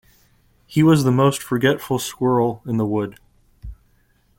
He was the most forgetful squirrel in the wood.